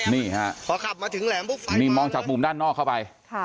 นี่ฮะมองจากมุมด้านนอกเข้าไป